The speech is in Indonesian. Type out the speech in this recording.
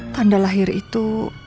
tanda lahir itu